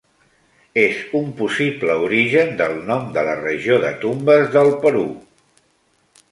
Es un possible origen del nom de la regió de Tumbes del Perú.